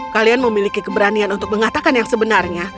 kalian memiliki keberanian untuk mengatakan yang sebenarnya